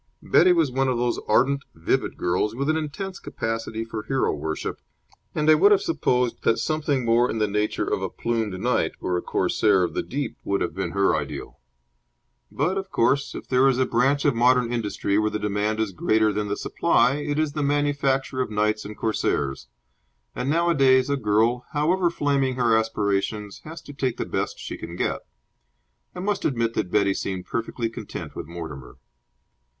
Betty was one of those ardent, vivid girls, with an intense capacity for hero worship, and I would have supposed that something more in the nature of a plumed knight or a corsair of the deep would have been her ideal. But, of course, if there is a branch of modern industry where the demand is greater than the supply, it is the manufacture of knights and corsairs; and nowadays a girl, however flaming her aspirations, has to take the best she can get. I must admit that Betty seemed perfectly content with Mortimer.